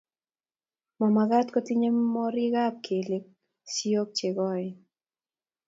Mamekat kotinyei morikab keliek sioik che koen